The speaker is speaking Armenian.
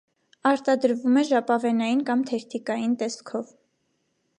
Արտադրվում է ժապավենային կամ թերթիկային տեսքով։